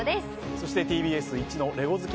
そしてＴＢＳいちのレゴ好き